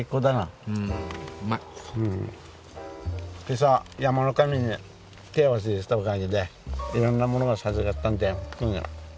今朝山の神に手を合わせてきたおかげでいろんなものが授かったんで。